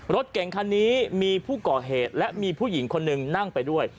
รถเก่งคันนี้มีผู้ก่อเหตุและมีผู้หญิงคนหนึ่งนั่งไปด้วย